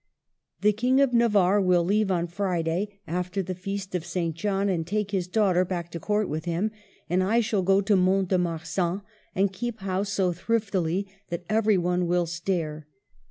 *' The King of Navarre will leave on Friday, after the Feast of St. John, and take his daughter back to Court with him ; and I shall go to Mont de Marsan, and keep house so thriftily that every one will stare.